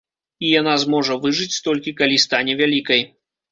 І яна зможа выжыць, толькі калі стане вялікай.